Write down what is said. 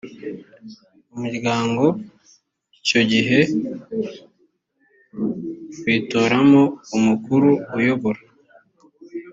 umuryango icyo gihe bitoramo umukuru uyobora